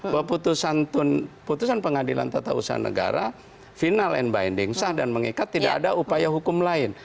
bahwa putusan putusan pengadilan tata usaha negara final and binding sah dan mengikat tidak ada upaya hukum lain